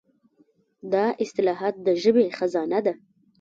دا اصطلاحات د ژبې خزانه ده.